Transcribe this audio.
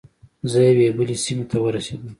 زه یوې بلې سیمې ته ورسیدم.